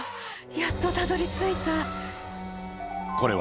やっとたどり着いた。